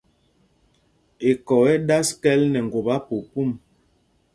Eko ɛ́ ɛ́ ɗas kɛ̌l nɛ ŋgop apuupum.